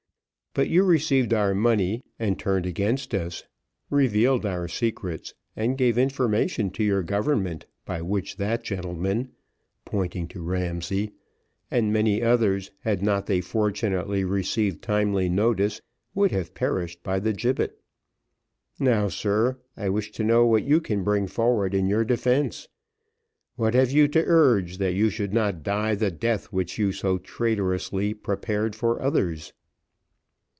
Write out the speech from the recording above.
But you received our money and turned against us; revealed our secrets, and gave information to your government, by which that gentleman" (pointing to Ramsay) "and many others, had not they fortunately received timely notice, would have perished by the gibbet. Now, sir, I wish to know, what you can bring forward in your defence, what have you to urge that you should not die the death which you so traitorously prepared for others."